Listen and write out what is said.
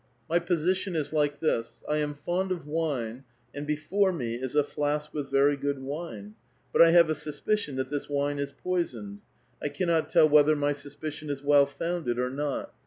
My position is like this : I am fond of wine, and before me is a flask with very good wine ; but I have a suspicion that this wine is poisoned. I cannot tell whether my suspicion is well founded or not.